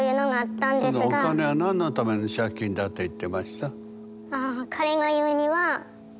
そのお金は何のための借金だって言ってました？